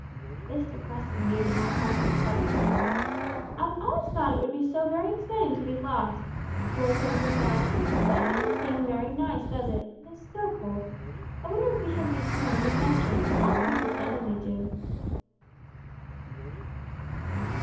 This depressing view did not comfort his cousin. "I've always thought it would be very exciting to be lost," Roy said with a sigh; "but it doesn't seem very nice, does it? And it is so cold. I wonder if we shall meet with any adventures, lost people generally do."